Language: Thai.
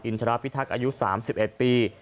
ทรพิทักษ์อายุ๓๑ปี